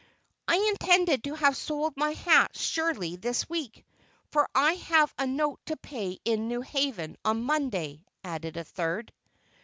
"I intended to have sold my hats surely this week, for I have a note to pay in New Haven on Monday," added a third.